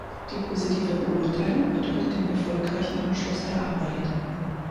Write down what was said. Die positive Beurteilung bedeutet den erfolgreichen Abschluss der Arbeit.